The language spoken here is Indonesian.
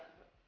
lo sama cek